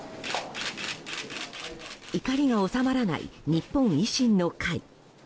怒りが収まらない日本維新の会。